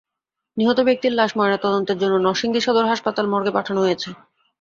নিহত ব্যক্তির লাশ ময়নাতদন্তের জন্য নরসিংদী সদর হাসপাতাল মর্গে পাঠানো হয়েছে।